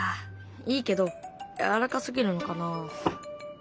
いいけどやわらかすぎるのかな？